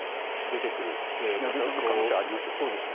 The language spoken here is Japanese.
出てくる可能性はありますよ。